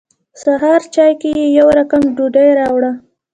سهار چای کې یې يو رقم ډوډۍ راوړه.